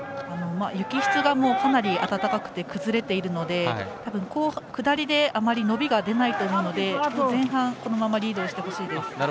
雪質が、かなり暖かくて崩れているので多分、下りであまり伸びが出ないと思うので前半このままリードしてほしいです。